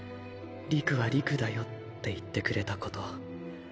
理玖は理玖だよって言ってくれたこと。